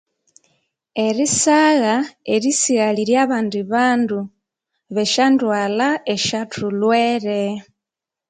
Erisagha erisighalira abandi bandu besyandwalha esyathulwere